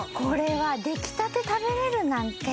出来たて食べれるなんて。